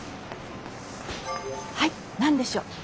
はい何でしょう。